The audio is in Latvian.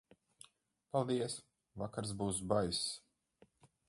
Paldies, vakars būs baiss.